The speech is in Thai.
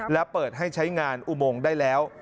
และเปิดให้ใช้งานอุโมงได้แล้ว